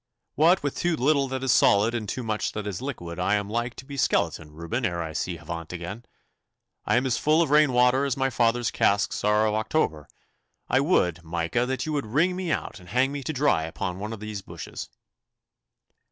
'What with too little that is solid and too much that is liquid I am like to be skeleton Reuben ere I see Havant again. I am as full of rain water as my father's casks are of October. I would, Micah, that you would wring me out and hang me to dry upon one of these bushes.